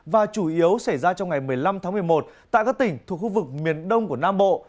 và chủ yếu xảy ra trong ngày một mươi năm tháng một mươi một tại các tỉnh thuộc khu vực miền đông của nam bộ